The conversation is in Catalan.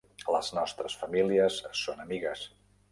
Les nostres famílies son amigues.